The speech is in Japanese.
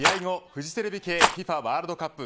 フジテレビ系ＦＩＦＡワールドカップ